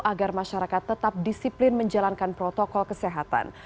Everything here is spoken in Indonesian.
agar masyarakat tetap disiplin menjalankan protokol kesehatan